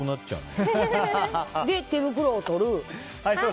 で、手袋をとる。